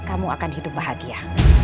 kamu akan hidup bahagia